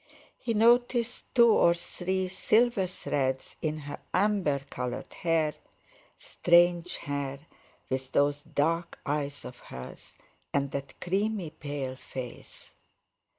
He noticed two or three silver threads in her amber coloured hair, strange hair with those dark eyes of hers, and that creamy pale face.